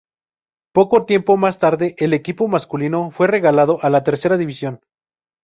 Poco tiempo más tarde el equipo masculino fue relegado a la Tercera división.